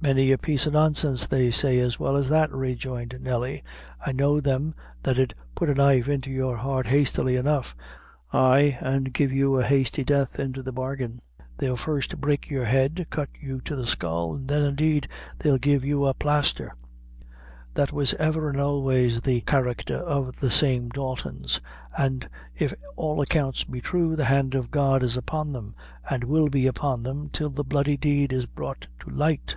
"Many a piece o' nonsense they say as well as that," rejoined Nelly; "I know them that 'ud put a knife into your heart hastily enough ay, an' give you a hasty death, into the bargain. They'll first break your head cut you to the skull, and then, indeed, they'll give you a plaisther. That was ever an' always the carrecther of the same Daltons; an', if all accounts be thrue, the hand of God is upon them, an' will be upon them till the bloody deed is brought to light."